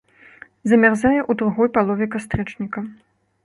Замярзае ў другой палове кастрычніка.